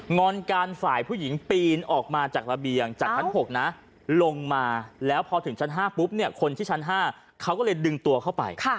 อนการฝ่ายผู้หญิงปีนออกมาจากระเบียงจากชั้น๖นะลงมาแล้วพอถึงชั้น๕ปุ๊บเนี่ยคนที่ชั้น๕เขาก็เลยดึงตัวเข้าไป